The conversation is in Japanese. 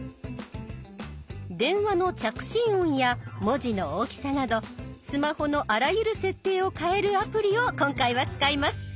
電話の着信音や文字の大きさなどスマホのあらゆる設定を変えるアプリを今回は使います。